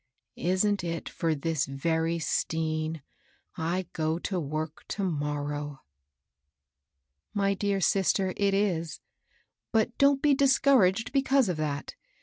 " Isn't it for this very Stean I go to work to morrow ?"My dear sister, it is. But don't be discour aged because of that.